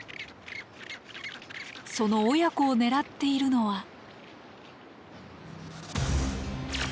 その親子を狙っているのは。